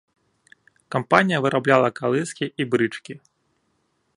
Кампанія вырабляла калыскі і брычкі.